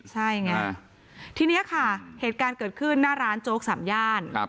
ใช่ไงทีนี้ค่ะเหตุการณ์เกิดขึ้นหน้าร้านโจ๊กสามย่าน